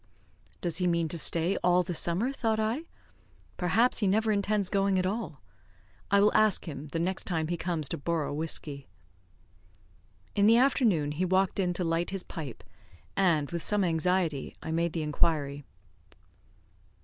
"Does he mean to stay all the summer?" thought I. "Perhaps he never intends going at all. I will ask him, the next time he comes to borrow whiskey." In the afternoon he walked in to light his pipe, and, with some anxiety, I made the inquiry.